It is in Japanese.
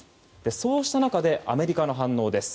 そうした中でアメリカの反応です。